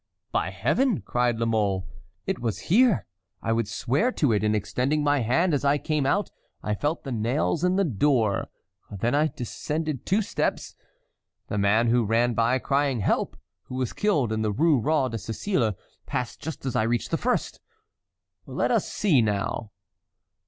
"By Heaven!" cried La Mole, "it was here—I would swear to it—in extending my hand, as I came out, I felt the nails in the door, then I descended two steps. The man who ran by crying 'Help!' who was killed in the Rue Roi de Sicile, passed just as I reached the first. Let us see, now."